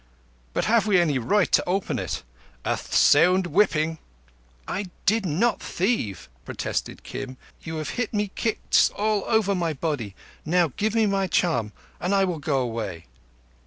"But have we any right to open it? A sound whipping—" "I did not thieve," protested Kim. "You have hit me kicks all over my body. Now give me my charm and I will go away."